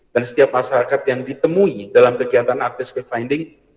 dan setiap masyarakat yang ditemui dalam kegiatan active case finding